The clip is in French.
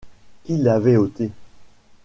Qui l’avait ôtée ?